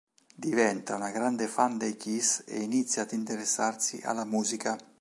Diventa un grande fan dei Kiss e inizia ad interessarsi alla musica.